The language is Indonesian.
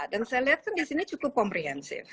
dan saya lihat kan di sini cukup komprehensif